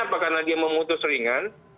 apa karena dia memutus ringan